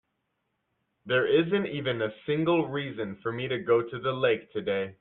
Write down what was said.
There isn't even a single reason for me to go to the lake today.